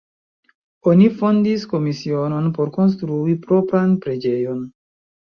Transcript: Oni fondis komisionon por konstrui propran preĝejon.